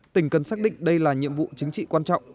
tỉnh cần xác định đây là nhiệm vụ chính trị quan trọng